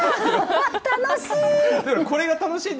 楽しい。